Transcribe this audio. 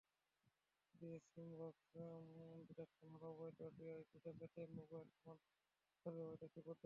সিম box detection হলো অবৈধ VoIP ঠেকাতে মোবাইল ফোন অপারেটরদের ব্যবহৃত একটি পদ্ধতি।